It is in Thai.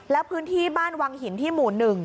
แล้วพื้นที่บ้านวังหินที่หมู่๑